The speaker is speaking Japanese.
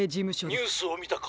☎ニュースをみたか？